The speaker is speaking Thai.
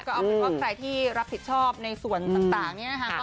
ก็เอาเป็นว่าใครที่รับผิดชอบในส่วนต่างนี้นะคะ